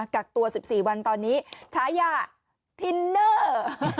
กักตัว๑๔วันตอนนี้ฉายาทินเนอร์